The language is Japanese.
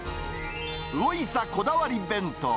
魚伊三こだわり弁当。